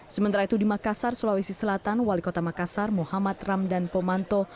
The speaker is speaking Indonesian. sementara itu di makassar sulawesi selatan wali kota makassar muhammad ramdan pomanto